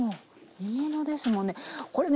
煮物ですもんね。